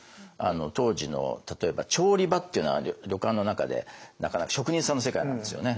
当時の例えば調理場っていうのは旅館の中で職人さんの世界なんですよね。